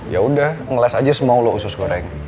yaudah ngeles aja semua lo usus goreng